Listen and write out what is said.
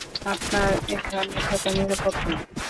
আপনার এখানে থাকা নিরাপদ না।